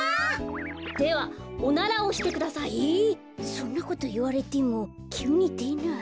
そんなこといわれてもきゅうにでない。